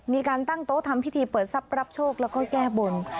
มีการตั้งโต๊ะทำพิธีเปิดทรัพย์รับโชคแล้วก็แก้บน